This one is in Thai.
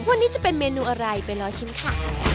วันนี้จะเป็นเมนูอะไรไปรอชิมค่ะ